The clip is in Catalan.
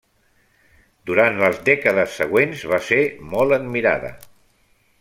Durant les dècades següents va ser molt admirada.